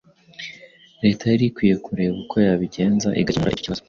Leta yari ikwiye kureba uko yabigenza igakemura icyo kibazo.